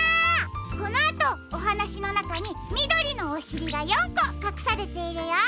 このあとおはなしのなかにみどりのおしりが４こかくされているよ。